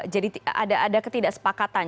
jadi ada ketidaksepakatan